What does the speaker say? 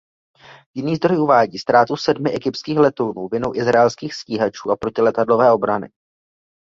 Jiný zdroj uvádí ztrátu sedmi egyptských letounů vinou izraelských stíhačů a protiletadlové obrany.